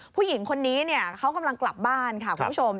ผู้หญิงคนนี้เขากำลังกลับบ้านค่ะคุณผู้ชม